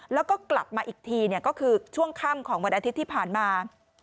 แล้วก็กลับมาอีกทีก็คือช่วงค่ำของวันอาทิตย์ที่ผ่านมา